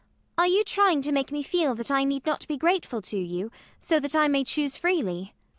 Are you trying to make me feel that I need not be grateful to you, so that I may choose freely?